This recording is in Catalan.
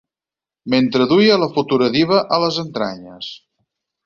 Mentre duia a la futura diva a les entranyes.